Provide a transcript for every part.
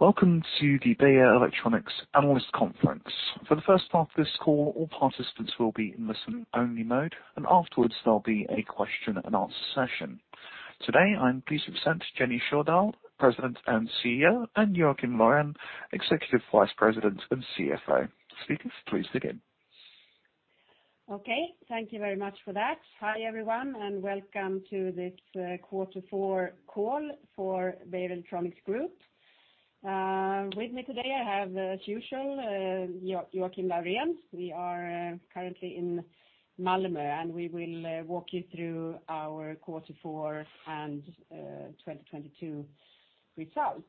Welcome to the Beijer Electronics Analyst Conference. For the first part of this call, all participants will be in listen-only mode. Afterwards, there'll be a question and answer session. Today, I am pleased to present Jenny Sjödahl, President and CEO, and Joakim Laurén, Executive Vice President and CFO. Speakers, please begin. Okay, thank you very much for that. Hi, everyone, welcome to this quarter four call for Beijer Electronics Group. With me today, I have, as usual, Joakim Laurén. We are currently in Malmö, and we will walk you through our quarter four and 2022 results.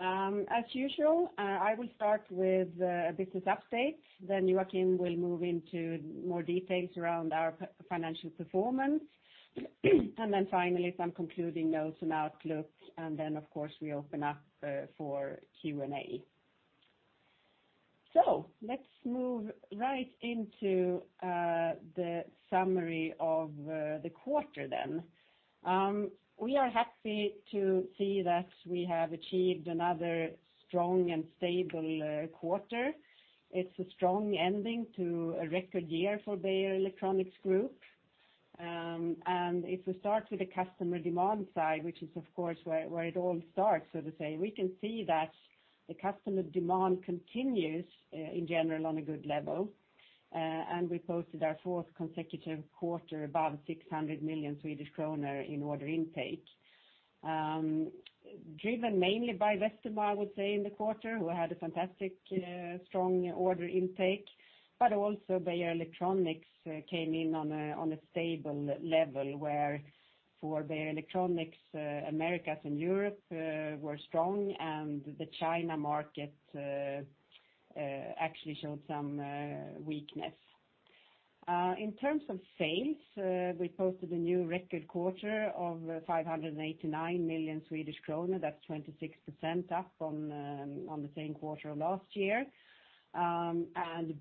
As usual, I will start with business updates, then Joakim will move into more details around our financial performance. Finally, some concluding notes and outlooks, and then, of course, we open up for Q&A. Let's move right into the summary of the quarter then. We are happy to see that we have achieved another strong and stable quarter. It's a strong ending to a record year for Beijer Electronics Group. If we start with the customer demand side, which is of course where it all starts, so to say, we can see that the customer demand continues in general on a good level. We posted our fourth consecutive quarter above 600 million Swedish kronor in order intake, driven mainly by Westermo, I would say, in the quarter, who had a fantastic strong order intake. Also Beijer Electronics came in on a stable level where for Beijer Electronics Americas and Europe were strong and the China market actually showed some weakness. In terms of sales, we posted a new record quarter of 589 million Swedish kronor. That's 26% up on the same quarter of last year,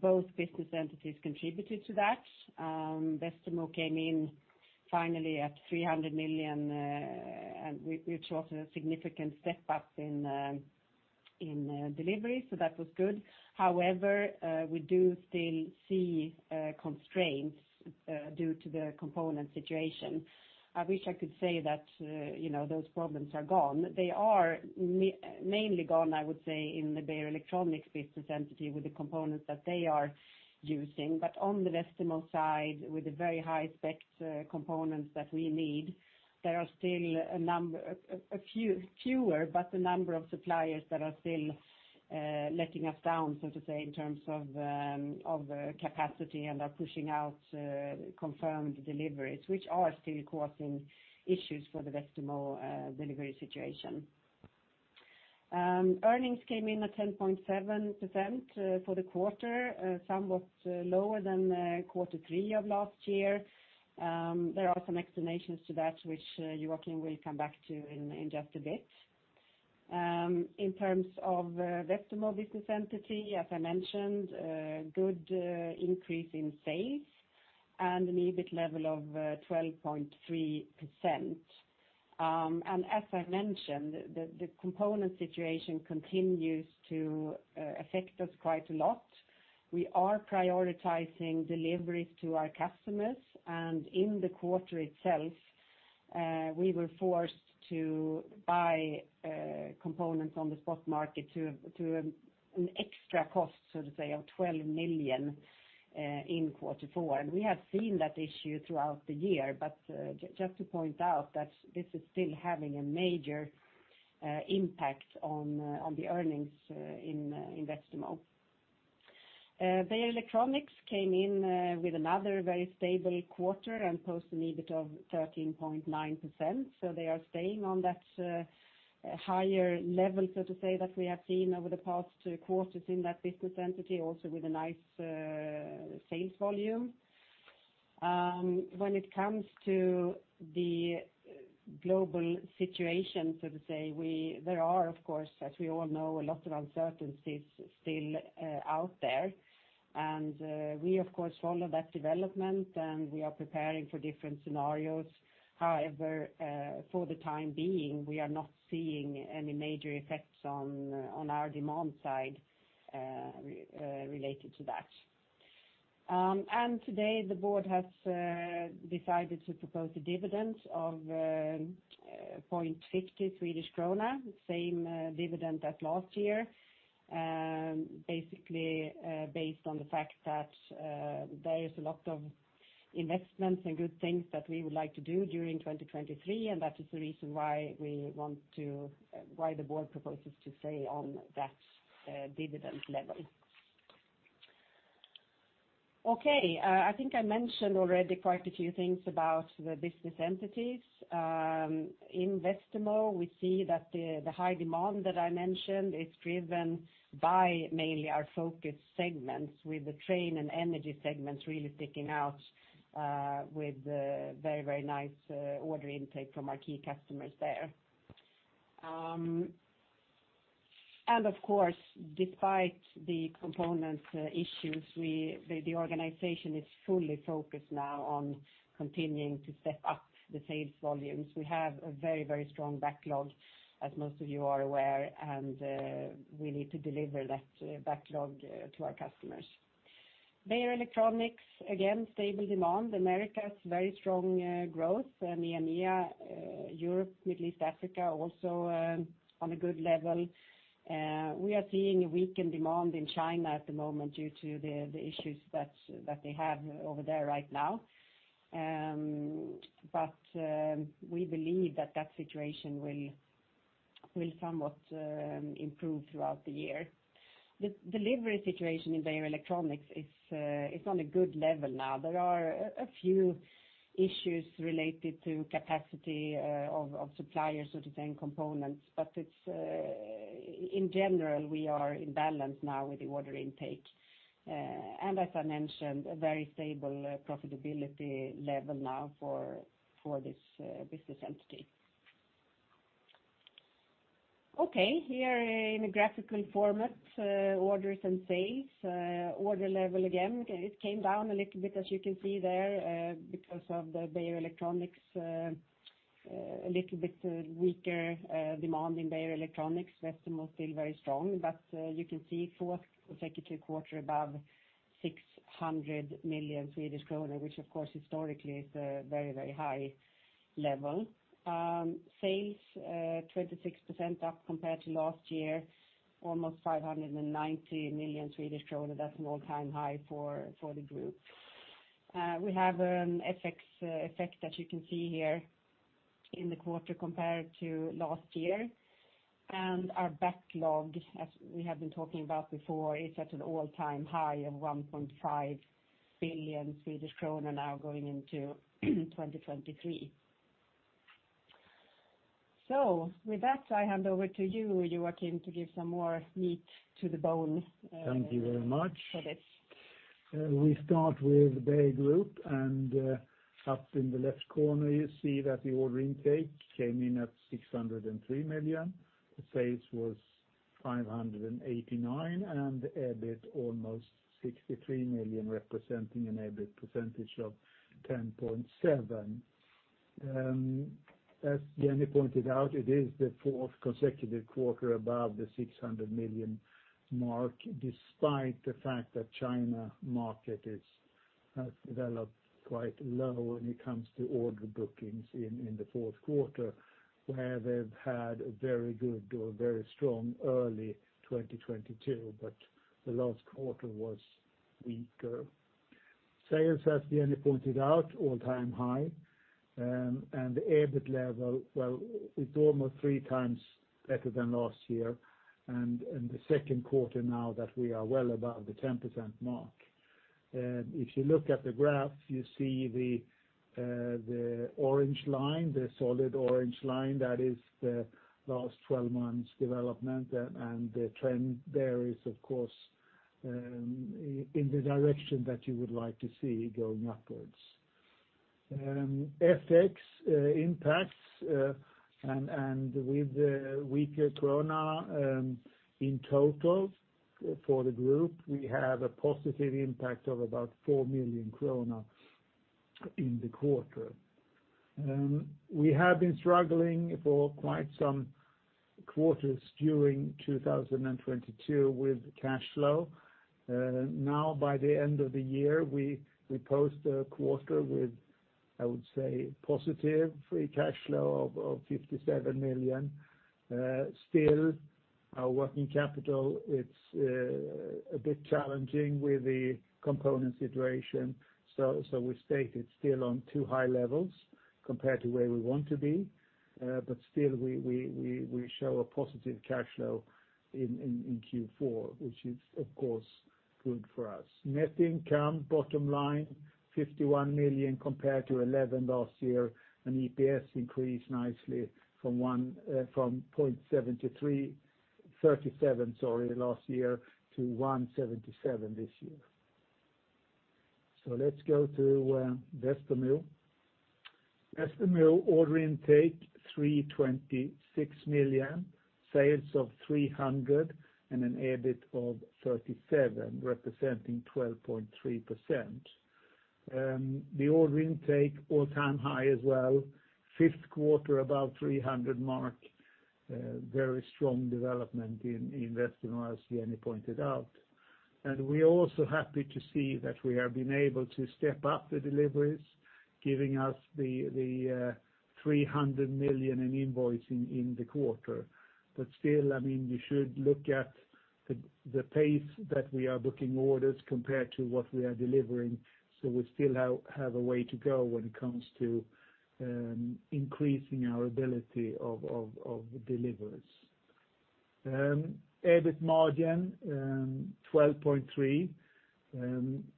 both business entities contributed to that. Westermo came in finally at 300 million and we saw a significant step up in delivery, so that was good. However, we do still see constraints due to the component situation. I wish I could say that, you know, those problems are gone. They are mainly gone, I would say, in the Beijer Electronics business entity with the components that they are using. On the Westermo side, with the very high spec components that we need, there are still a few, fewer, but a number of suppliers that are still letting us down, so to say, in terms of capacity and are pushing out confirmed deliveries, which are still causing issues for the Westermo delivery situation. Earnings came in at 10.7% for the quarter, somewhat lower than quarter three of last year. There are some explanations to that which Joakim will come back to in just a bit. In terms of Westermo business entity, as I mentioned, good increase in sales and an EBIT level of 12.3%. As I mentioned, the component situation continues to affect us quite a lot. We are prioritizing deliveries to our customers, and in the quarter itself, we were forced to buy components on the spot market to an extra cost, so to say, of 12 million in quarter four. We have seen that issue throughout the year. Just to point out that this is still having a major impact on the earnings in Westermo. Beijer Electronics came in with another very stable quarter and posted an EBIT of 13.9%. They are staying on that higher level, so to say, that we have seen over the past quarters in that business entity, also with a nice sales volume. When it comes to the global situation, so to say, there are, of course, as we all know, a lot of uncertainties still out there. We of course follow that development, and we are preparing for different scenarios. However, for the time being, we are not seeing any major effects on our demand side related to that. Today the board has decided to propose a dividend of 0.50 Swedish krona, same dividend as last year. Basically, based on the fact that there is a lot of investments and good things that we would like to do during 2023, and that is the reason why the board proposes to stay on that dividend level. Okay. I think I mentioned already quite a few things about the business entities. In Westermo, we see that the high demand that I mentioned is driven by mainly our focus segments with the train and energy segments really sticking out with very nice order intake from our key customers there. Of course, despite the components issues, the organization is fully focused now on continuing to step up the sales volumes. We have a very, very strong backlog, as most of you are aware, and we need to deliver that backlog to our customers. Beijer Electronics, again, stable demand. Americas, very strong growth. EMEA, Europe, Middle East, Africa also on a good level. We are seeing a weakened demand in China at the moment due to the issues that they have over there right now. We believe that situation will somewhat improve throughout the year. The delivery situation in Beijer Electronics is on a good level now. There are a few issues related to capacity of suppliers of the same components, but it's in general, we are in balance now with the order intake. As I mentioned, a very stable profitability level now for this business entity. Okay, here in a graphical format, orders and sales. Order level again, it came down a little bit, as you can see there, because of the Beijer Electronics a little bit weaker demand in Beijer Electronics. Westermo was still very strong. You can see fourth consecutive quarter above 600 million Swedish kronor, which of course historically is a very, very high level. Sales 26% up compared to last year, almost 590 million Swedish kronor. That's an all-time high for the group. We have an FX effect that you can see here in the quarter compared to last year. Our backlog, as we have been talking about before, is at an all-time high of 1.5 billion Swedish kronor now going into 2023. With that, I hand over to you, Joakim, to give some more meat to the bone. Thank you very much. For this. We start with Beijer Group, up in the left corner you see that the order intake came in at 603 million. The sales was 589 million, and the EBIT almost 63 million, representing an EBIT percentage of 10.7%. As Jenny pointed out, it is the fourth consecutive quarter above the 600 million mark, despite the fact that China market has developed quite low when it comes to order bookings in the fourth quarter, where they've had a very good or very strong early 2022, but the last quarter was weaker. Sales, as Jenny pointed out, all-time high. EBIT level, well, it's almost three times better than last year and the second quarter now that we are well above the 10% mark. If you look at the graph, you see the orange line, the solid orange line, that is the last 12 months development, and the trend there is of course in the direction that you would like to see going upwards. FX impacts, and with the weaker krona, in total for the group, we have a positive impact of about 4 million kronor in the quarter. We have been struggling for quite some quarters during 2022 with cash flow. Now by the end of the year, we post a quarter with, I would say, positive free cash flow of 57 million. Still our working capital, it's a bit challenging with the component situation. We stated still on too high levels compared to where we want to be. Still we show a positive cash flow in Q4, which is of course good for us. Net income, bottom line, 51 million compared to 11 last year. EPS increased nicely from 0.37, sorry, last year to 1.77 this year. Let's go to Westermo. Westermo order intake, 326 million, sales of 300 million and an EBIT of 37 million, representing 12.3%. The order intake all-time high as well, fifth quarter above 300 mark. Very strong development in Westermo, as Jenny pointed out. We are also happy to see that we have been able to step up the deliveries, giving us the 300 million in invoicing in the quarter. Still, I mean, you should look at the pace that we are booking orders compared to what we are delivering. We still have a way to go when it comes to increasing our ability of deliveries. EBIT margin, 12.3%,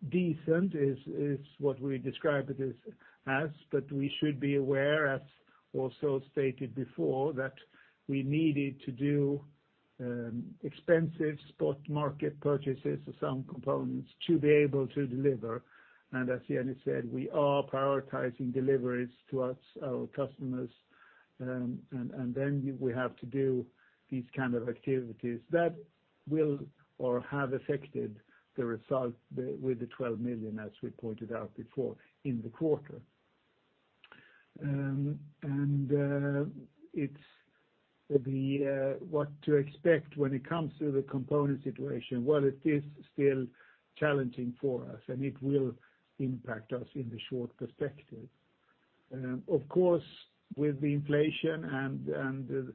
decent is what we describe it as, but we should be aware, as also stated before, that we needed to do expensive spot market purchases of some components to be able to deliver. As Jenny said, we are prioritizing deliveries towards our customers. Then we have to do these kind of activities that will or have affected the result with 12 million, as we pointed out before in the quarter. It's what to expect when it comes to the component situation. Well, it is still challenging for us, and it will impact us in the short perspective. Of course, with the inflation and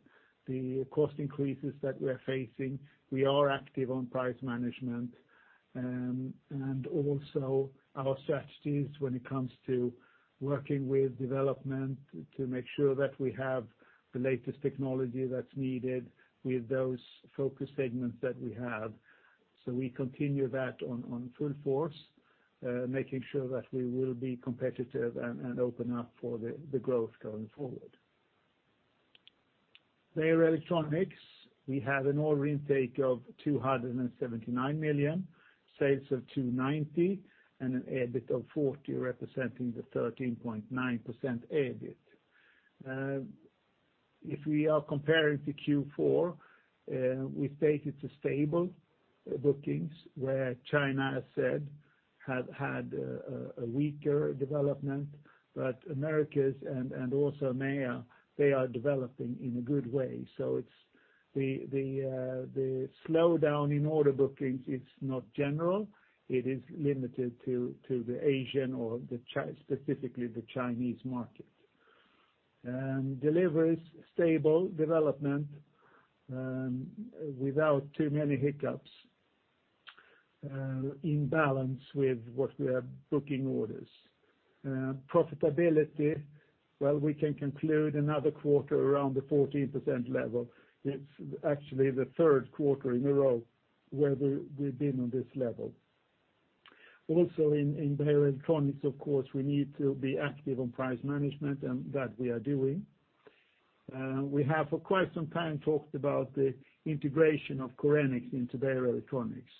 the cost increases that we are facing, we are active on price management, and also our strategies when it comes to working with development to make sure that we have the latest technology that's needed with those focus segments that we have. We continue that on full force, making sure that we will be competitive and open up for the growth going forward. Beijer Electronics, we have an order intake of 279 million, sales of 290, and an EBIT of 40, representing the 13.9% EBIT. If we are comparing to Q4, we state it's a stable bookings, where China has had a weaker development, but Americas and also EMEA, they are developing in a good way. The slowdown in order bookings is not general. It is limited to the Asian or specifically the Chinese market. Deliveries, stable development, without too many hiccups, in balance with what we are booking orders. Profitability, well, we can conclude another quarter around the 14% level. It's actually the third quarter in a row where we've been on this level. In Beijer Electronics, of course, we need to be active on price management, and that we are doing. We have for quite some time talked about the integration of Korenix into Beijer Electronics.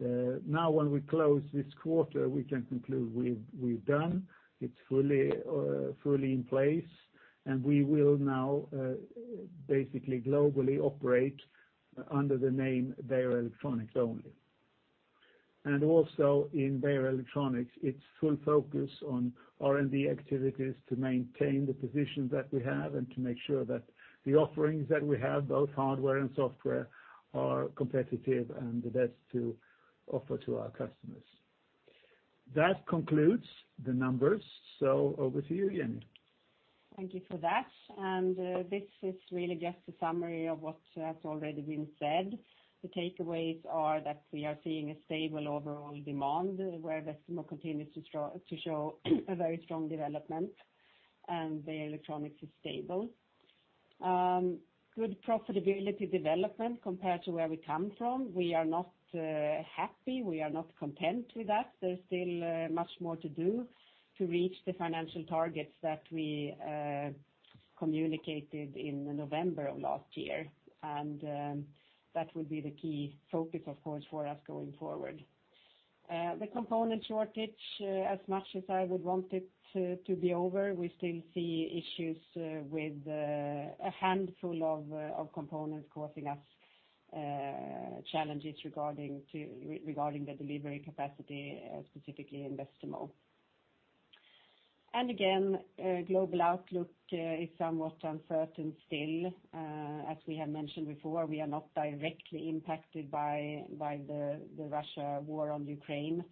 Now when we close this quarter, we can conclude we've done. It's fully in place, and we will now basically globally operate under the name Beijer Electronics only. Also in Beijer Electronics, it's full focus on R&D activities to maintain the position that we have and to make sure that the offerings that we have, both hardware and software, are competitive and the best to offer to our customers. That concludes the numbers. Over to you, Jenny. Thank you for that. This is really just a summary of what has already been said. The takeaways are that we are seeing a stable overall demand where Westermo continues to show a very strong development, and Beijer Electronics is stable. Good profitability development compared to where we come from. We are not happy. We are not content with that. There's still much more to do to reach the financial targets that we communicated in November of last year. That would be the key focus, of course, for us going forward. The component shortage, as much as I would want it to be over, we still see issues with a handful of components causing us challenges regarding the delivery capacity, specifically in Westermo. Again, global outlook is somewhat uncertain still. As we have mentioned before, we are not directly impacted by the Russia war on Ukraine.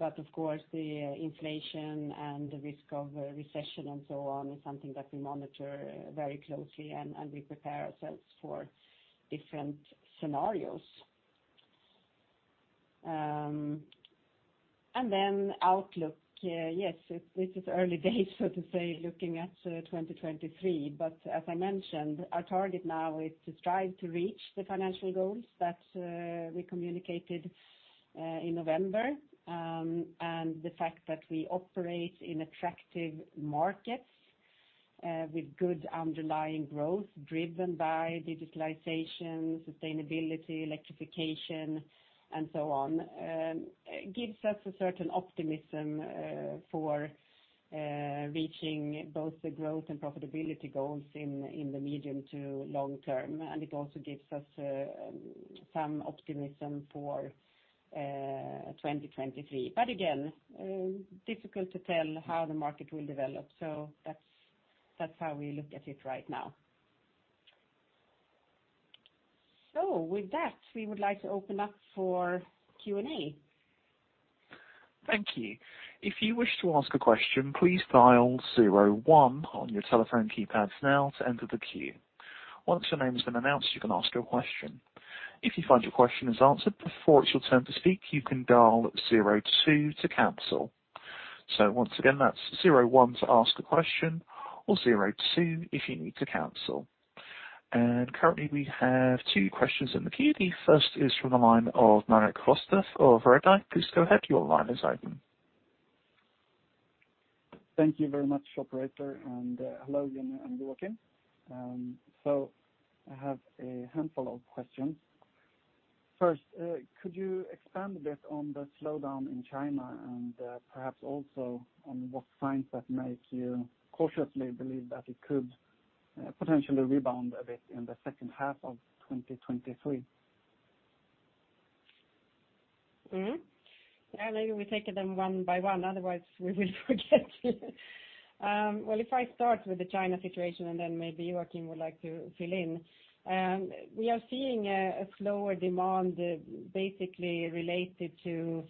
Of course, the inflation and the risk of a recession and so on is something that we monitor very closely, and we prepare ourselves for different scenarios. Outlook. Yes, this is early days, so to say, looking at 2023. As I mentioned, our target now is to strive to reach the financial goals that we communicated in November. The fact that we operate in attractive markets with good underlying growth driven by digitalization, sustainability, electrification, and so on, gives us a certain optimism for reaching both the growth and profitability goals in the medium to long term. It also gives us some optimism for 2023. Again, difficult to tell how the market will develop. That's how we look at it right now. With that, we would like to open up for Q&A. Thank you. If you wish to ask a question, please dial zero one on your telephone keypads now to enter the queue. Once your name has been announced, you can ask your question. If you find your question is answered before it's your turn to speak, you can dial 02 to cancel. Once again, that's 01 to ask a question or 02 if you need to cancel. Currently, we have two questions in the queue. The first is from the line of Marek Rostov of Redeye. Please go ahead, your line is open. Thank you very much, operator. Hello, Jenny and Joakim. I have a handful of questions. Could you expand a bit on the slowdown in China and perhaps also on what signs that make you cautiously believe that it could potentially rebound a bit in the second half of 2023? Yeah, maybe we take it then one by one, otherwise we will forget. Well, if I start with the China situation, then maybe Joakim would like to fill in. We are seeing a slower demand, basically related to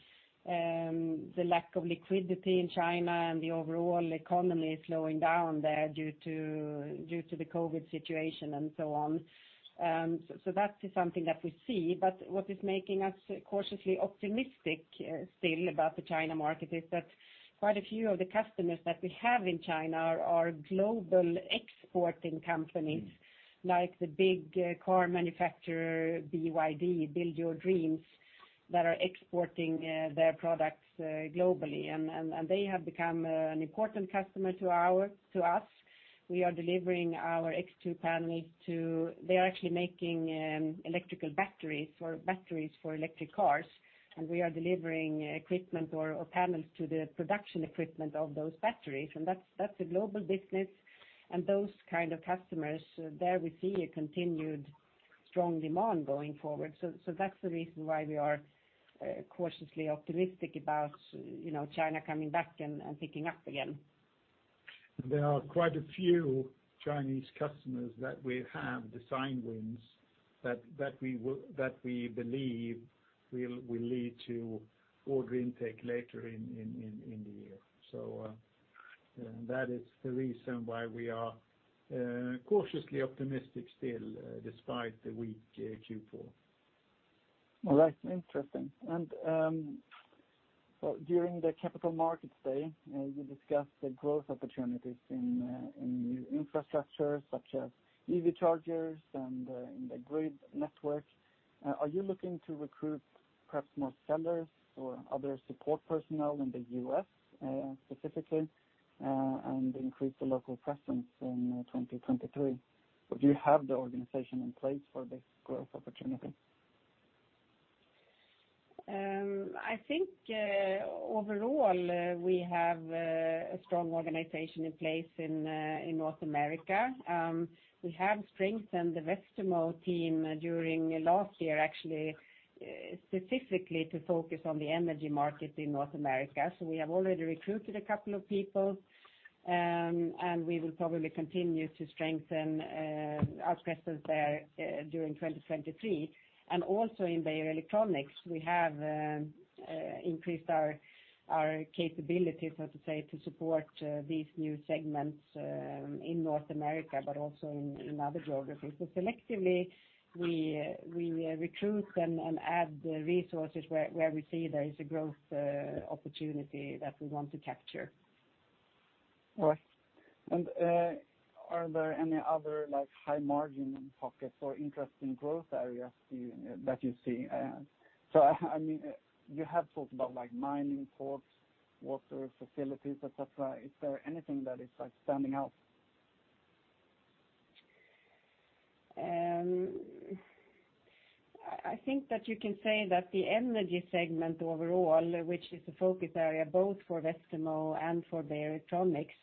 the lack of liquidity in China and the overall economy slowing down there due to the COVID situation, and so on. That is something that we see. What is making us cautiously optimistic still about the China market is that quite a few of the customers that we have in China are global exporting companies, like the big car manufacturer, BYD, Build Your Dreams, that are exporting their products globally. They have become an important customer to us. We are delivering our X2 panel to... They are actually making electrical batteries for electric cars, and we are delivering equipment or panels to the production equipment of those batteries. That's a global business, and those kind of customers, there we see a continued strong demand going forward. That's the reason why we are cautiously optimistic about China coming back and picking up again. There are quite a few Chinese customers that we have design wins that we believe will lead to order intake later in the year. That is the reason why we are cautiously optimistic still despite the weak Q4. All right. Interesting. Well, during the Capital Markets Day, you discussed the growth opportunities in new infrastructure such as EV chargers and in the grid network. Are you looking to recruit perhaps more sellers or other support personnel in the U.S., specifically, and increase the local presence in 2023? Or do you have the organization in place for this growth opportunity? I think, overall, we have a strong organization in place in North America. We have strengthened the Westermo team during last year, actually, specifically to focus on the energy market in North America. We have already recruited a couple of people, and we will probably continue to strengthen our presence there during 2023. Also in Beijer Electronics, we have increased our capabilities, so to say, to support these new segments in North America, but also in other geographies. Selectively, we recruit and add the resources where we see there is a growth opportunity that we want to capture. Right. Are there any other, like, high margin pockets or interesting growth areas you, that you see? I mean, you have talked about, like, mining ports, water facilities, et cetera. Is there anything that is, like, standing out? I think that you can say that the energy segment overall, which is a focus area both for Westermo and for Beijer Electronics,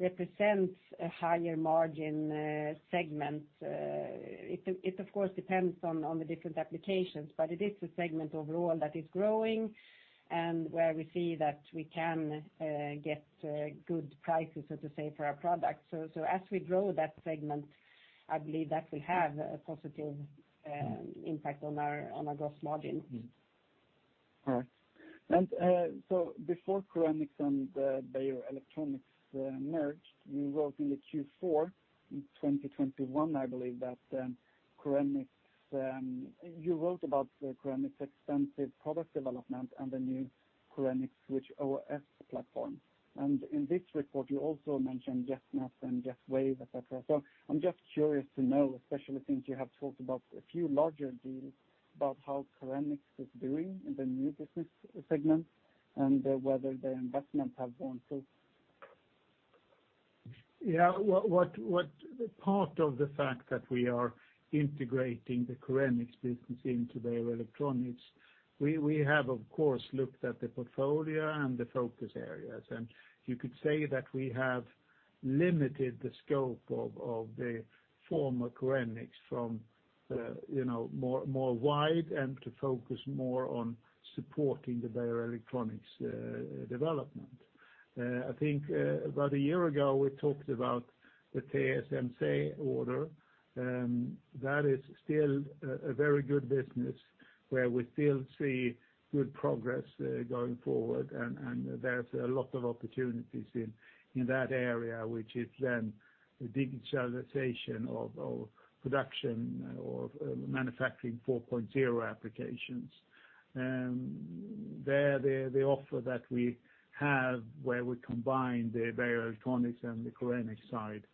represents a higher margin segment. It, it of course depends on the different applications, but it is a segment overall that is growing and where we see that we can get good prices, so to say, for our products. As we grow that segment, I believe that will have a positive impact on our gross margin. All right. Before Korenix and Beijer Electronics merged, you wrote in the Q4 in 2021, I believe, that Korenix, you wrote about the Korenix extensive product development and the new Korenix Switch OS platform. In this report, you also mentioned JetNet and JetWave, et cetera. I'm just curious to know, especially since you have talked about a few larger deals, about how Korenix is doing in the new business segment and whether the investment have gone through. Yeah. What part of the fact that we are integrating the Korenix business into Beijer Electronics, we have of course looked at the portfolio and the focus areas. You could say that we have limited the scope of the former Korenix from, you know, more wide and to focus more on supporting the Beijer Electronics development. I think about a year ago, we talked about the TSMC order. That is still a very good business where we still see good progress going forward. there's a lot of opportunities in that area, which is then the digitalization of production or manufacturing 4.0 applications. There, the offer that we have where we combine the Beijer Electronics and the Korenix side,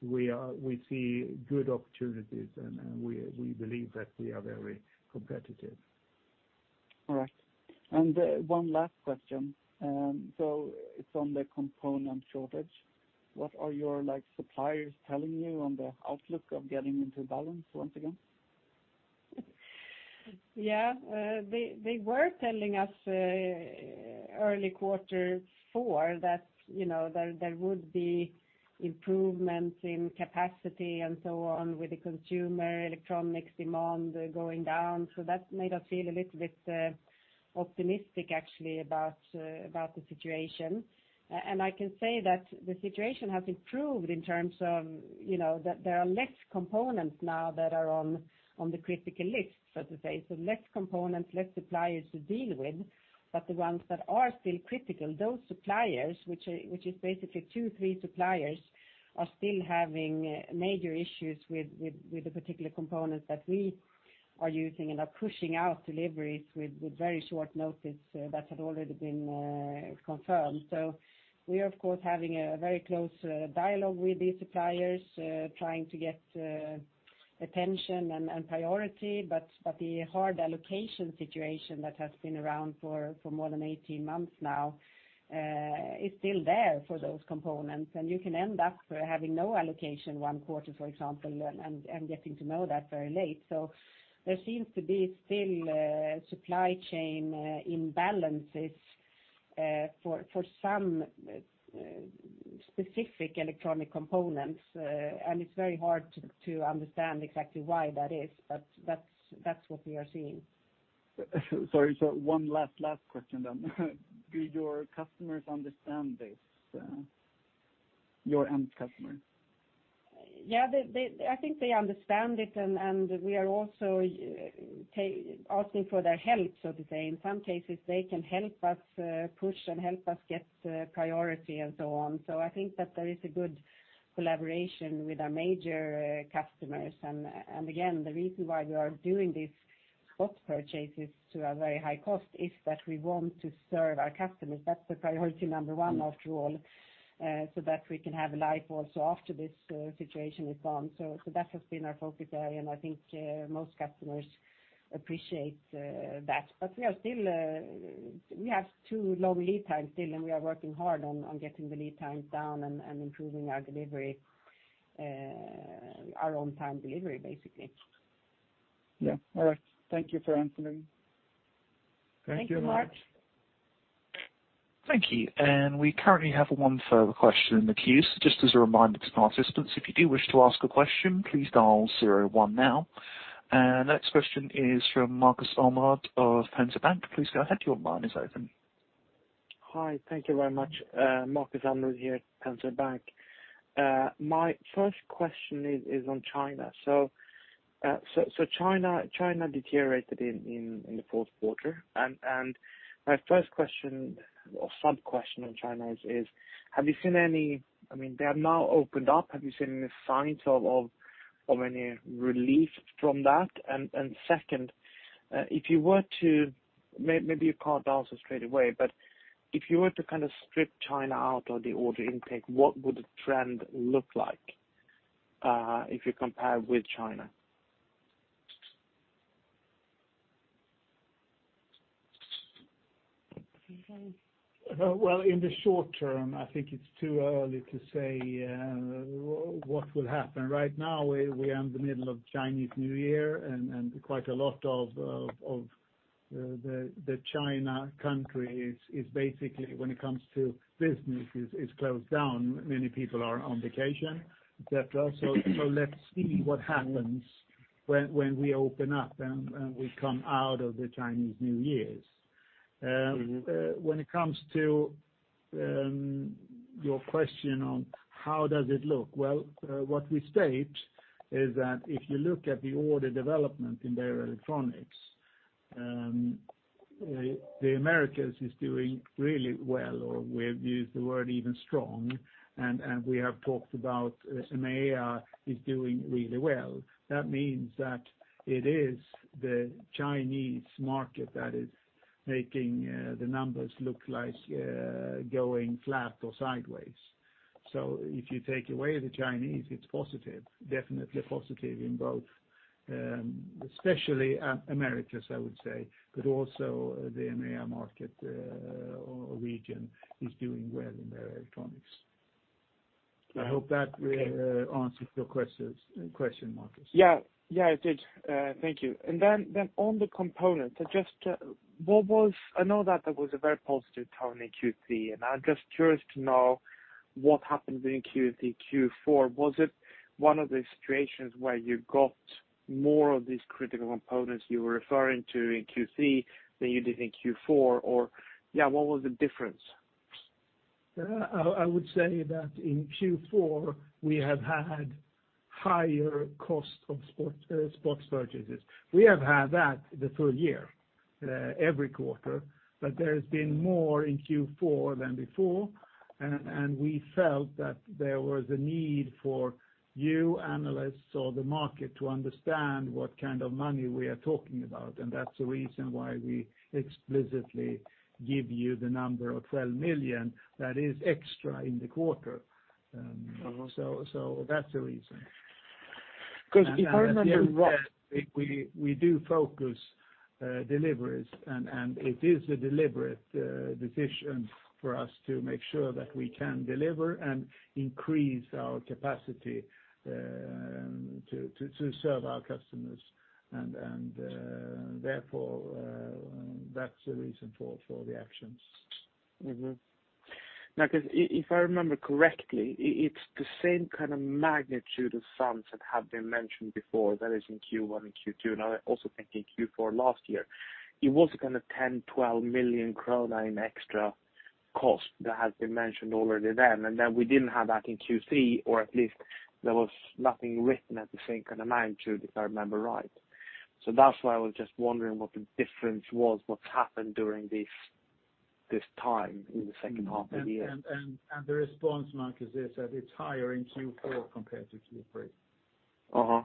we see good opportunities and we believe that we are very competitive. All right. One last question. It's on the component shortage. What are your, like, suppliers telling you on the outlook of getting into balance once again? Yeah. They were telling us early quarter four that there would be improvement in capacity and so on with the consumer electronics demand going down. That made us feel a little bit optimistic actually about about the situation. I can say that the situation has improved in terms of, you know, that there are less components now that are on the critical list, so to say. Less components, less suppliers to deal with. The ones that are still critical, those suppliers, which is basically two, three suppliers, are still having major issues with the particular components that we are using and are pushing out deliveries with very short notice that had already been confirmed. We are of course having a very close dialogue with these suppliers, trying to get attention and priority. The hard allocation situation that has been around for more than 18 months now, is still there for those components. You can end up having no allocation 1 quarter, for example, and getting to know that very late. There seems to be still supply chain imbalances for some specific electronic components. It's very hard to understand exactly why that is. That's what we are seeing. Sorry. One last question then. Do your customers understand this, your end customers? Yeah. They, I think they understand it. We are also asking for their help, so to say. In some cases, they can help us push and help us get priority and so on. I think that there is a good collaboration with our major customers. Again, the reason why we are doing these spot purchases to a very high cost is that we want to serve our customers. That's the priority number one after all, so that we can have life also after this situation is gone. That has been our focus area, and I think most customers appreciate that. We are still, we have too long lead time still, and we are working hard on getting the lead times down and improving our delivery, our on time delivery, basically. Yeah. All right. Thank you for answering. Thank you, Marek. Thank you very much. Thank you. We currently have one further question in the queue. Just as a reminder to participants, if you do wish to ask a question, please dial zero one now. Next question is from Markus Almerud of Penser Bank. Please go ahead, your line is open. Hi. Thank you very much. Markus Almerud here at Penser Bank. My first question is on China. China deteriorated in the fourth quarter. My first question or sub-question on China is, I mean, they have now opened up. Have you seen any signs of any relief from that? Second, if you were to maybe you can't answer straight away, but if you were to kind of strip China out of the order intake, what would the trend look like if you compare with China? Marcus? Well, in the short term, I think it's too early to say, what will happen. Right now we are in the middle of Chinese New Year and quite a lot of the China country is basically, when it comes to business, is closed down. Many people are on vacation, et cetera. Let's see what happens when we open up and we come out of the Chinese New Years. When it comes to your question on how does it look, well, what we state is that if you look at the order development in Beijer Electronics, the Americas is doing really well, or we've used the word even strong, and we have talked about MEA is doing really well. That means that it is the Chinese market that is making the numbers look like going flat or sideways. If you take away the Chinese, it's positive, definitely positive in both, especially Americas, I would say, but also the MEA market, or region is doing well in Beijer Electronics. I hope that, answers your question, Markus. Yeah. Yeah, it did. Thank you. On the component, just, I know that there was a very positive tone in Q3, and I'm just curious to know what happened during Q4. Was it one of the situations where you got more of these critical components you were referring to in Q3 than you did in Q4? Yeah, what was the difference? I would say that in Q4 we have had higher cost of spots purchases. We have had that the full year, every quarter, but there has been more in Q4 than before. We felt that there was a need for you analysts or the market to understand what kind of money we are talking about, and that's the reason why we explicitly give you the number of 12 million that is extra in the quarter. That's the reason. 'Cause if I remember We do focus deliveries, and it is a deliberate decision for us to make sure that we can deliver and increase our capacity to serve our customers. Therefore, that's the reason for the actions. Now, 'cause if I remember correctly, it's the same kind of magnitude of sums that have been mentioned before, that is in Q1 and Q2, and I also think in Q4 last year. It was kind of 10, 12 million krona in extra cost that has been mentioned already then, and then we didn't have that in Q3, or at least there was nothing written at the same kind amount to if I remember right. That's why I was just wondering what the difference was, what's happened during this time in the second half of the year. The response, Marcus, is that it's higher in Q4 compared to Q3. Okay.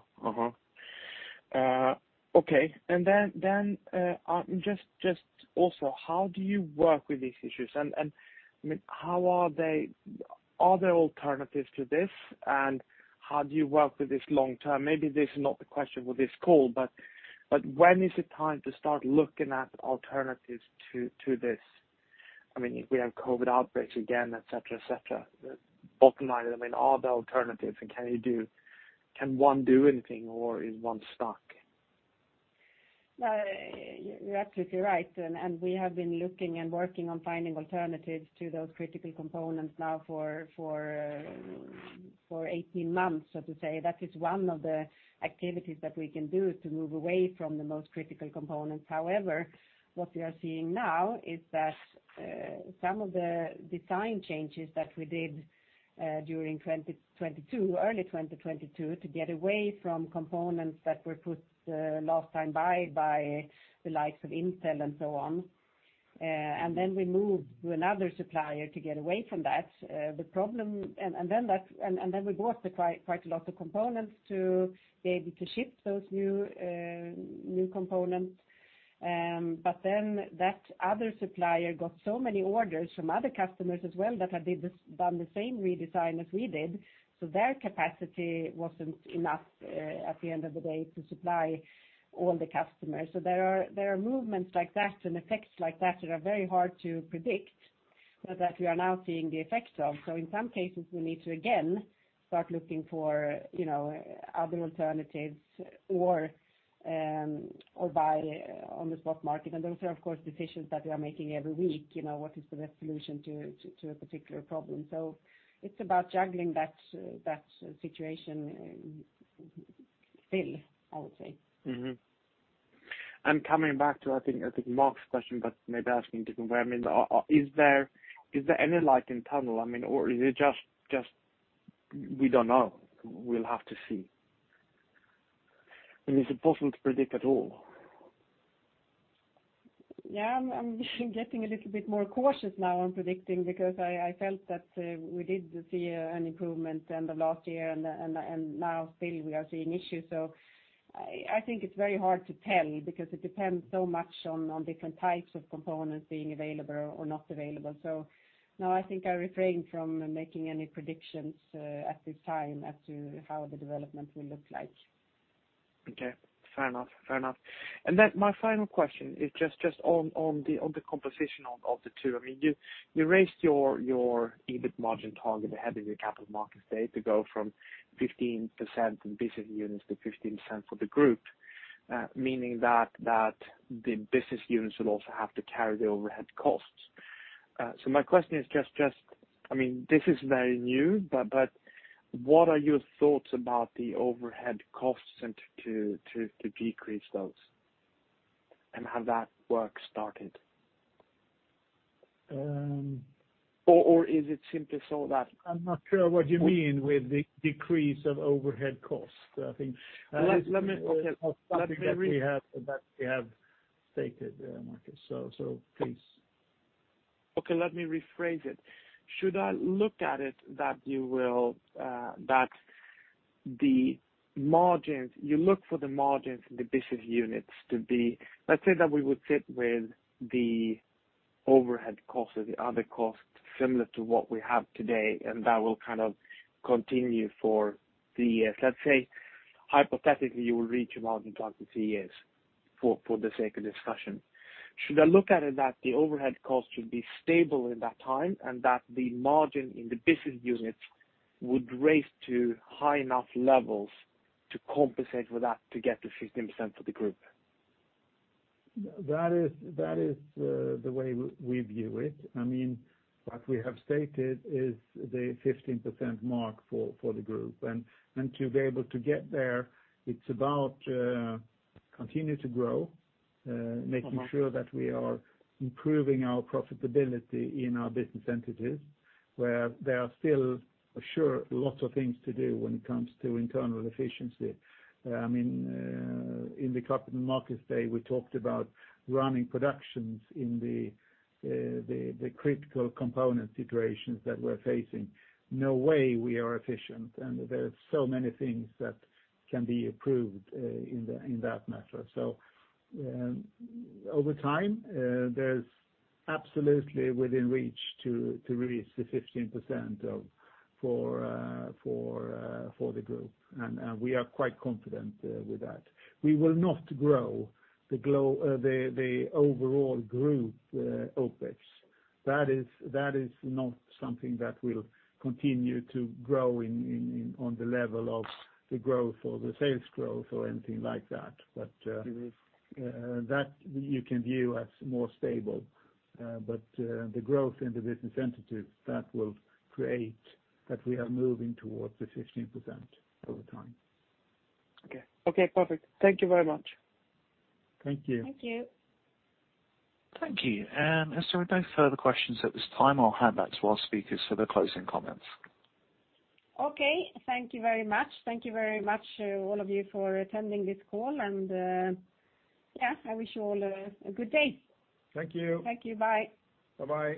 Also, how do you work with these issues? I mean, are there alternatives to this, and how do you work with this long term? Maybe this is not the question for this call. When is it time to start looking at alternatives to this? I mean, if we have COVID outbreaks again, et cetera, et cetera. Bottom line, I mean, are there alternatives and can one do anything or is one stuck? You're absolutely right. We have been looking and working on finding alternatives to those critical components now for 18 months, so to say. That is one of the activities that we can do to move away from the most critical components. However, what we are seeing now is that some of the design changes that we did during 2022, early 2022, to get away from components that were put last time buy by the likes of Intel and so on. We moved to another supplier to get away from that. We bought quite a lot of components to be able to ship those new components. That other supplier got so many orders from other customers as well that had done the same redesign as we did, so their capacity wasn't enough at the end of the day to supply all the customers. There are movements like that and effects like that that are very hard to predict, but that we are now seeing the effects of. In some cases, we need to again start looking for other alternatives or buy on the spot market. Those are, of course, decisions that we are making every week what is the best solution to a particular problem. It's about juggling that situation still, I would say. Coming back to, I think Mark's question, but maybe asking different way. I mean, is there any light in tunnel? I mean, is it just we don't know, we'll have to see? I mean, is it possible to predict at all? Yeah. I'm getting a little bit more cautious now on predicting because I felt that we did see an improvement in the last year, and now still we are seeing issues. I think it's very hard to tell because it depends so much on different types of components being available or not available. No, I think I refrain from making any predictions at this time as to how the development will look like. Okay. Fair enough. Fair enough. My final question is just on the composition of the two. I mean, you raised your EBIT margin target ahead of the capital markets day to go from 15% in business units to 15% for the group, meaning that the business units will also have to carry the overhead costs. My question is just, I mean, this is very new, but what are your thoughts about the overhead costs and to decrease those? Have that work started? Is it simply that I'm not sure what you mean with the decrease of overhead costs. That's something that we have stated, Marcus. Please. Okay, let me rephrase it. Should I look at it that you will, that the margins, you look for the margins in the business units to be. Let's say that we would sit with the overhead costs or the other costs similar to what we have today, and that will kind of continue for the, let's say, hypothetically, you will reach a margin target in 3 years, for the sake of discussion. Should I look at it that the overhead costs should be stable in that time, and that the margin in the business units would raise to high enough levels to compensate for that to get to 15% for the group? That is the way we view it. I mean, what we have stated is the 15% mark for the group. To be able to get there, it's about continue to grow making sure that we are improving our profitability in our business entities, where there are still sure lots of things to do when it comes to internal efficiency. I mean, in the capital markets day, we talked about running productions in the critical component situations that we're facing. No way we are efficient, and there are so many things that can be improved in that matter. Over time, there's absolutely within reach to reach the 15% for the group, and we are quite confident with that. We will not grow the overall group OpEx. That is, that is not something that will continue to grow on the level of the growth or the sales growth or anything like that. But, that you can view as more stable. The growth in the business entities, that will create that we are moving towards the 15% over time. Okay. Okay, perfect. Thank you very much. Thank you. Thank you. Thank you. As there are no further questions at this time, I'll hand back to our speakers for the closing comments. Okay. Thank you very much. Thank you very much, all of you for attending this call. Yeah, I wish you all a good day. Thank you. Thank you. Bye. Bye-bye.